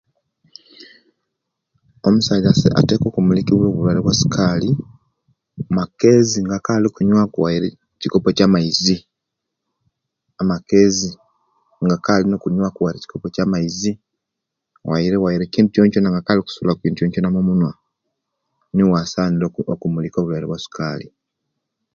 Omusaiza ateka okumulika obulwaire bwa sukali makezi nga akali oikunyuwa ku waire kikopo kyamaizi amakezi nga akali okunyuwa waise kikopo kyamaizi waire waire nga akali okusula wakade kintu kyokyona omunwa niwo awasana okumulika obulwaire bwa sukali